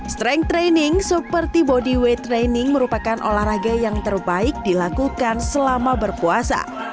strength training seperti bodyweight training merupakan olahraga yang terbaik dilakukan selama berpuasa